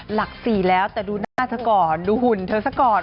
หลัก๔แล้วแต่ดูหน้าเธอก่อนดูหุ่นเธอซะก่อน